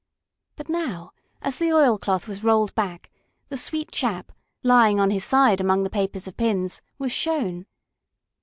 But now, as the oilcloth was rolled back, the sweet chap, lying on his side among the papers of pins, was shown.